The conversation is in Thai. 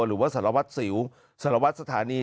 หรือว่าสารวัตรสิวสารวัตรสถานี